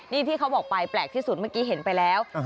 นี่ที่เขาบอกไปแปลกที่สุดเมื่อกี้เห็นไปแล้ว